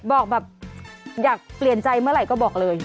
บอกแบบอยากเปลี่ยนใจเมื่อไหร่ก็บอกเลย